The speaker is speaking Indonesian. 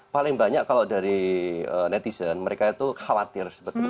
paling banyak kalau dari netizen mereka itu khawatir sebetulnya